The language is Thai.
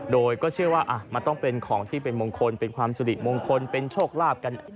โดยก็เชื่อว่ามันต้องเป็นของที่เป็นมงคลเป็นความสุริมงคลเป็นโชคลาภกัน